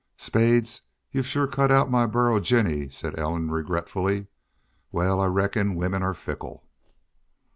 "Spades, y'u've shore cut out my burro Jinny," said Ellen, regretfully. "Well, I reckon women are fickle."